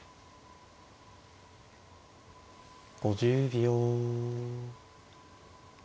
５０秒。